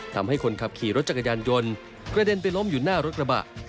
ทำให้คนขับขี่รถจักรยานยนต์กระเด็นไปล้มอยู่หน้ารถกระบะ